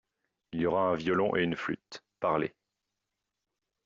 Il y aura un violon et une flûte." Parlé.